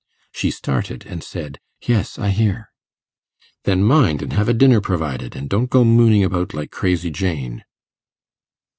She started, and said, 'Yes, I hear.' 'Then mind and have a dinner provided, and don't go mooning about like crazy Jane.